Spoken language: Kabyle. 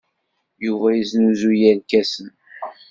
Yuba yesnuzuy irkasen.